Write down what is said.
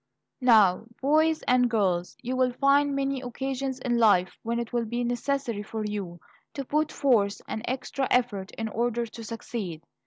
Now, boys and girls, you will find many occasions in life when it will be necessary for you to put forth an extra effort in order to succeed.